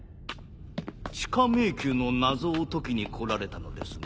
地下迷宮の謎を解きに来られたのですね？